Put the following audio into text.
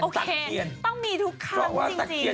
ตะเคียนตั้งมีทุกครั้งจริง